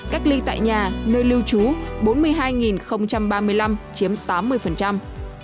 các ly tại nhà nơi lưu trú là bốn mươi hai ba mươi năm chiếm tám mươi